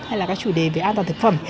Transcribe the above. hay là các chủ đề về an toàn thực phẩm